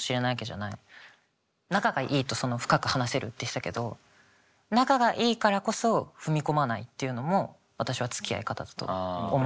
仲がいいとその深く話せるって言ってたけど仲がいいからこそ踏み込まないっていうのも私はつきあい方だと思う。